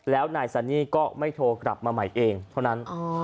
แล้วนายซันนี่ก็ไม่โทรกลับมาใหม่เองเท่านั้น